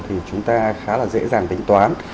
thì chúng ta khá là dễ dàng tính toán